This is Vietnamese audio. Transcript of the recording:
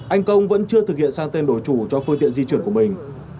anh công vẫn chưa thực hiện sang tên đổi chủ cho phương tiện di chuyển của mình